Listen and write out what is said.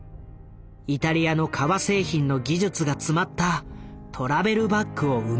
イタリアの革製品の技術が詰まったトラベルバッグを生み出している。